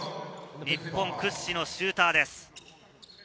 日本屈指のシューターです。